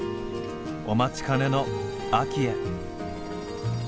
お待ちかねの秋へ。